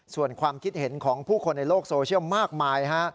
ส่วนความคิดเห็นของผู้คนในโลกโซเชียลมากมายฮะ